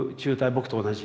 僕と同じ。